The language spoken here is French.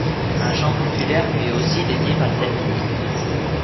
Un chant populaire lui est aussi dédié par les Alpini.